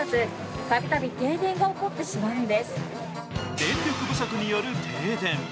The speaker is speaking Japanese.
電力不足による停電。